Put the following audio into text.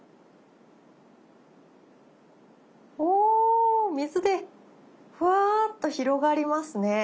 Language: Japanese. お水でふわっと広がりますね。